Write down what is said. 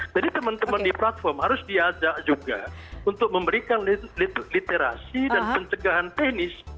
jadi teman teman di platform harus diajak juga untuk memberikan literasi dan pencegahan teknis